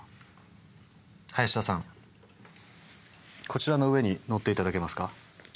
こちらの上に乗って頂けますか？